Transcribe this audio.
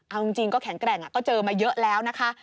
เอาจริงก็แข็งแกร่งก็เจอมาเยอะแล้วนะคะ